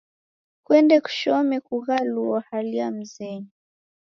Kuende kushome kughaluo hali ya mzenyu.